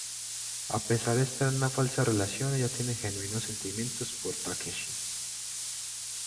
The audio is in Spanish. A pesar de estar en una falsa relación, ella tiene genuinos sentimientos por Takeshi.